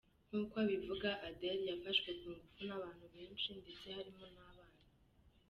Nk’uko abivuga, Adele yafashwe ku ngufu n’abantu benshi ndetse harimo n’abana.